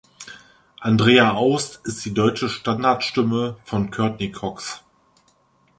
Andrea Aust ist die deutsche Standardstimme von Courteney Cox.